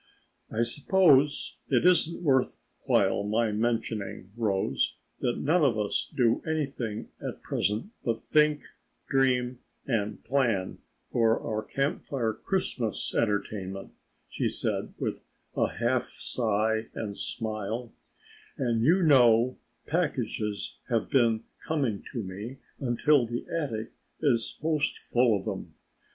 "I suppose it isn't worth while my mentioning, Rose, that none of us do anything at present but think, dream and plan for our Camp Fire Christmas entertainment," she said with a half sigh and smile, "and you know packages have been coming to me until the attic is most full of them.